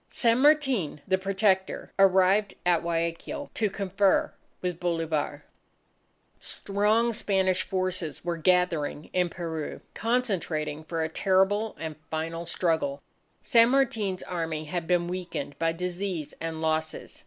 San Martin the Protector arrived at Guayaquil to confer with Bolivar. Strong Spanish forces were gathering in Peru, concentrating for a terrible, and final struggle. San Martin's Army had been weakened by disease and losses.